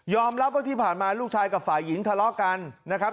รับว่าที่ผ่านมาลูกชายกับฝ่ายหญิงทะเลาะกันนะครับ